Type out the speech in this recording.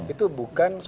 itu bukan ketua tanfidiyah